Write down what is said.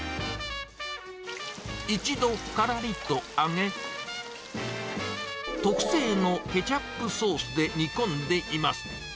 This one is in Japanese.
一度からりと揚げ、特製のケチャップソースで煮込んでいます。